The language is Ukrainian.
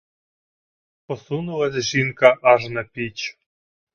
Посунулась жінка аж на піч.